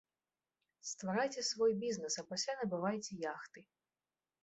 Стварайце свой бізнэс, а пасля набывайце яхты!